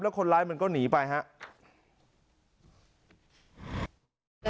คนร้ายมันก็หนีไปครับ